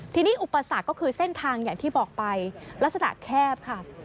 ทีนี้อุปสรรคก็คือเส้นทางอย่างที่บอกไปลักษณะแคบค่ะ